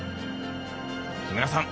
木村さん